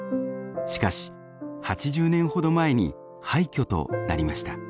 しかし８０年ほど前に廃虚となりました。